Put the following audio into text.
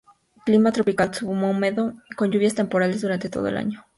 Clima Tropical, Subhúmedo con lluvias temporales durante todo el año.